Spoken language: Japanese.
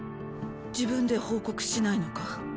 自分で報告しないのか？